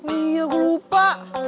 ih aku lupa